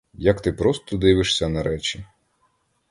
Як ти просто дивишся на речі.